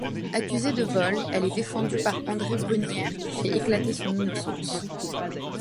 Accusée de vol, elle est défendue par André Brugnaire, qui fait éclater son innocence.